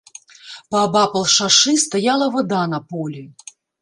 Паабапал шашы стаяла вада на полі.